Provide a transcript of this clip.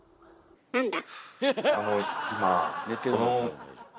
何だ？